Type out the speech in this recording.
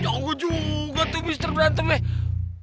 jauh juga tuh mister berantemnya